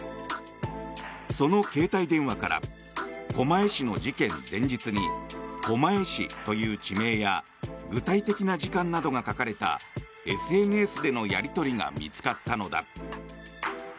その携帯電話から狛江市の事件前日に狛江市という地名や具体的な時間などが書かれたＳＮＳでのやり取りが見つかったのだ。